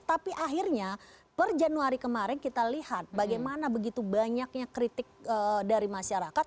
tapi akhirnya per januari kemarin kita lihat bagaimana begitu banyaknya kritik dari masyarakat